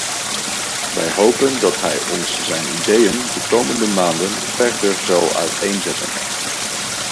Wij hopen dat hij ons zijn ideeën de komende maanden verder zal uiteenzetten.